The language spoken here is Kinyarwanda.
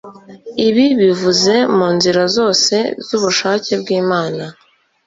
ibi bivuze mu nzira zose z'ubushake bw'Imana.